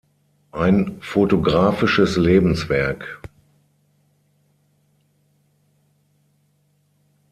Ein fotografisches Lebenswerk".